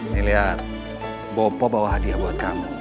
nih liat bopo bawa hadiah buat kamu